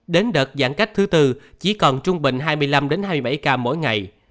đến đợt giãn cách thứ tư chỉ còn trung bình hai mươi năm hai mươi bảy ca mỗi ngày